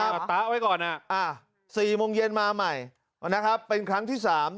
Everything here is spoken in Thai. ครับตาเอาไว้ก่อนอ่ะอ่ะ๔โมงเย็นมาใหม่นะครับเป็นครั้งที่๓